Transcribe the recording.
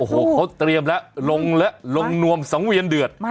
โอ้โหเขาเตรียมแล้วลงแล้วลงนวมสังเวียนเดือด